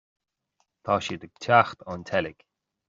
tá siad ag teacht ón tseilg